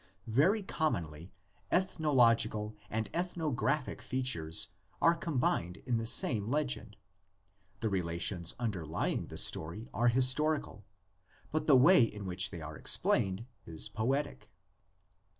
Very commonly ethnological and ethnographic features are combined in the same legend: the relations underlying the story are his torical, but the way in which they are explained is poetic.